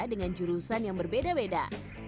dengan jurusan yang berbeda beda